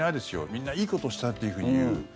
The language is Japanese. みんな、いいことをしたというふうに言う。